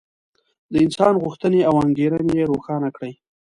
د انسان غوښتنې او انګېرنې یې روښانه کړې.